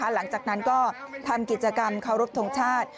หลังจากนั้นก็ทำกิจกรรมเคารพทงชาติ